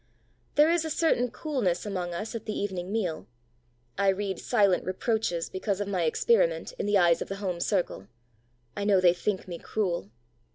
There is a certain coolness among us at the evening meal. I read silent reproaches, because of my experiment, in the eyes of the home circle; I know they think me cruel.